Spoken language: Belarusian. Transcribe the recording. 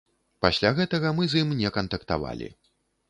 Пасля гэтага мы з ім не кантактавалі.